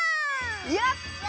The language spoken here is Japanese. やった！